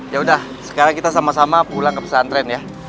yaudah sekarang kita sama sama pulang ke pesantren ya